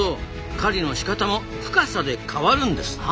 狩りのしかたも深さで変わるんですな。